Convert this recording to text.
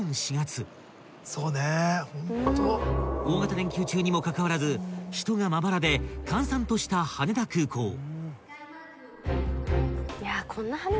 ［大型連休中にもかかわらず人がまばらで閑散とした羽田空港］